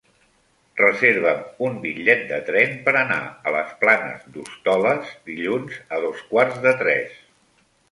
Reserva'm un bitllet de tren per anar a les Planes d'Hostoles dilluns a dos quarts de tres.